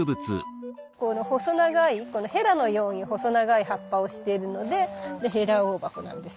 細長いこのヘラのように細長い葉っぱをしているのでヘラオオバコなんです。